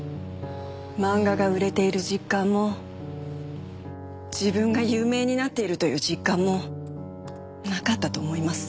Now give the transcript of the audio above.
漫画が売れている実感も自分が有名になっているという実感もなかったと思います。